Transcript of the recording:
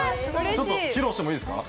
ちょっと披露してもいいですか？